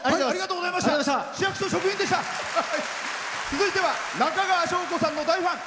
続いては中川翔子さんの大ファン。